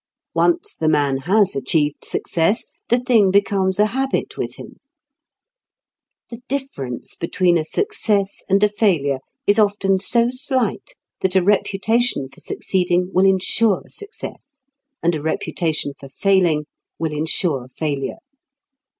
Once the man has achieved success, the thing becomes a habit with him. The difference between a success and a failure is often so slight that a reputation for succeeding will ensure success, and a reputation for failing will ensure failure.